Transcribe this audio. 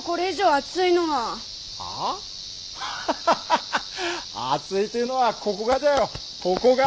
熱いというのはここがじゃよここが。